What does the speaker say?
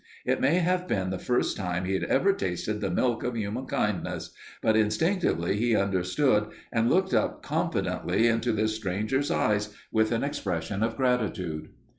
It may have been the first time he had ever tasted the milk of human kindness, but instinctively he understood and looked up confidently into this stranger's eyes with an expression of gratitude.